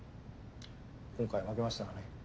今回は負けましたがね。